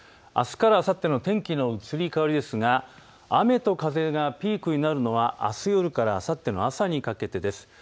あすからあさっての天気の移り変わりですが雨と風がピークになるのはあす夜からあさっての朝にかけてです。